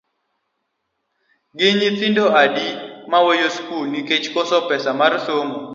Gin nyithindo adi ma weyo skul nikech koso pesa mar somo?